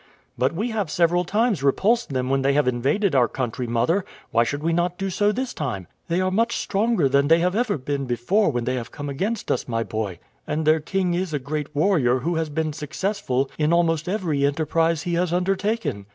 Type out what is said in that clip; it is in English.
"But we have several times repulsed them when they have invaded our country, mother; why should we not do so this time?" "They are much stronger than they have ever been before when they have come against us, my boy, and their king is a great warrior who has been successful in almost every enterprise he has undertaken."